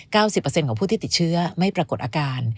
๙๐ของผู้ที่ติดเชื้อไม่ปรากฏอาการ